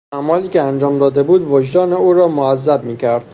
اعمالی که انجام داده بود وجدان او را معذب میکرد.